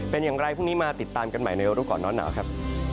เป็นอย่างไรพรุ่งนี้มาติดตามกันใหม่ในรู้ก่อนร้อนหนาวครับ